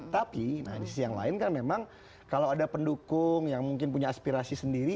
tapi nah di sisi yang lain kan memang kalau ada pendukung yang mungkin punya aspirasi sendiri